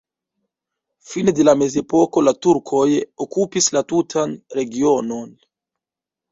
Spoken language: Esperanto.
Fine de la mezepoko la turkoj okupis la tutan regionon.